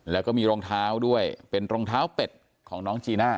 แล้วก็มีรองเท้าด้วยเป็นรองเท้าเป็ดของน้องจีน่า